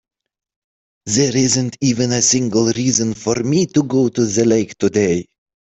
There isn't even a single reason for me to go to the lake today.